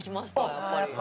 やっぱり。